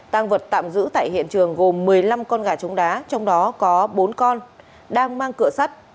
tăng vật tạm giữ tại hiện trường gồm một mươi năm con gà trống đá trong đó có bốn con đang mang cửa sắt